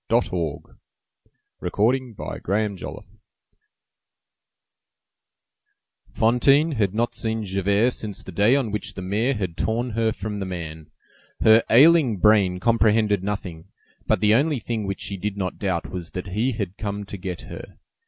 CHAPTER IV—AUTHORITY REASSERTS ITS RIGHTS Fantine had not seen Javert since the day on which the mayor had torn her from the man. Her ailing brain comprehended nothing, but the only thing which she did not doubt was that he had come to get her.